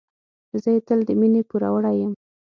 زه یې تل د مينې پوروړی یم.